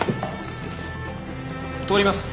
通ります。